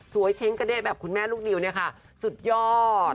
เช้งกระเด้แบบคุณแม่ลูกนิวเนี่ยค่ะสุดยอด